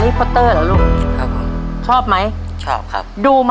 เย็นมากลุ่ม